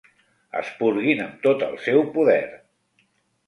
Esporguin amb tot el seu poder.